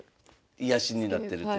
癒やしになってるという。